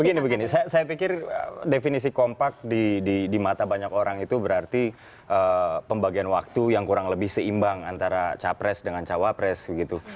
begini begini saya pikir definisi kompak di mata banyak orang itu berarti pembagian waktu yang kurang lebih seimbang antara capres dengan cawapres gitu